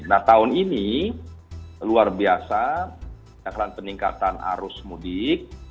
nah tahun ini luar biasa akan peningkatan arus mudik